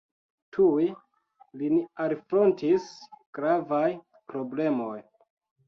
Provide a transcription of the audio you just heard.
Tuj lin alfrontis gravaj problemoj.